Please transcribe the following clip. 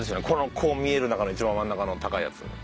このこう見える中の一番真ん中の高いやつ。